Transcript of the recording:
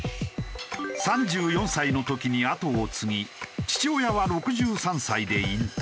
３４歳の時に後を継ぎ父親は６３歳で引退。